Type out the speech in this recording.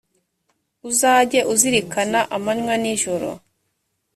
uzajye ukizirikana amanywa n’ijoro,